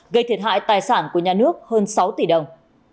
gây thiệt hại tài sản của nhà nước hơn sáu tỷ đồng